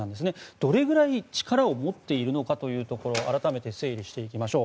どれくらい力を持っているのかというところ改めて整理していきましょう。